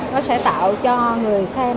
nó sẽ tạo cho người xem